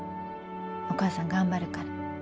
お母さん頑張るから。